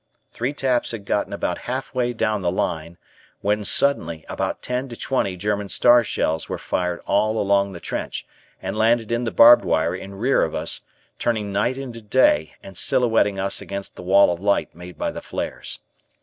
Three taps had gotten about halfway down the line when suddenly about ten to twenty German star shells were fired all along the trench and landed in the barbed wire in rear of us, turning night into day and silhouetting us against the wall of light made by the flares.